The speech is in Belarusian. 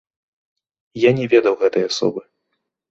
Я не ведаў гэтай асобы.